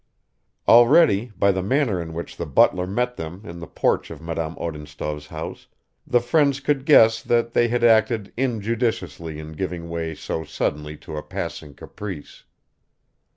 Already, by the manner in which the butler met them in the porch of Madame Odintsov's house, the friends could guess that they had acted injudiciously in giving way so suddenly to a passing caprice.